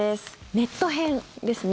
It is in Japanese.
ネット編ですね。